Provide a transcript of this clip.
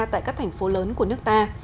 tại các thành phố lớn của nước ta